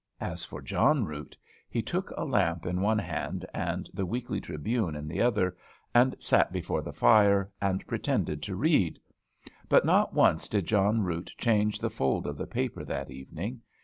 As for John Root, he took a lamp in one hand, and "The Weekly Tribune" in the other, and sat before the fire, and pretended to read; but not once did John Root change the fold of the paper that evening.